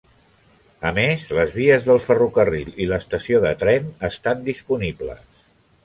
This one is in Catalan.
A més, les vies del ferrocarril i l'estació de tren estan disponibles.